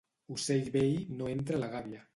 Ocell vell no entra a la gàbia.